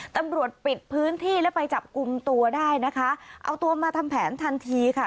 ตำรวจปิดพื้นที่แล้วไปจับกลุ่มตัวได้นะคะเอาตัวมาทำแผนทันทีค่ะ